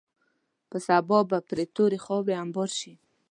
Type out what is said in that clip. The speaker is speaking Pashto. په سبا به پرې تورې خاورې انبار شي.